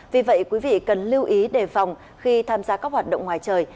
vì vậy quý vị cần lưu ý đề phòng khi tham gia các hoạt động ngoài trời